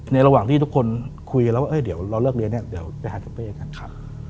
ในระหว่างที่ทุกคนคุยแล้วว่าเฮ้ยเดี๋ยวเราเลือกเรียนเนี่ยเดี๋ยวไปหาเจ้าเป้กันค่ะ